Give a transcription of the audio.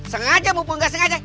sengaja maupun gak sengaja